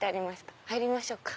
入りましょうか。